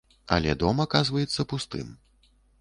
Але дом аказваецца пустым.